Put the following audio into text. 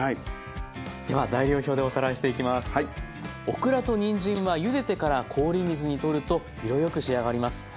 オクラとにんじんはゆでてから氷水にとると色よく仕上がります。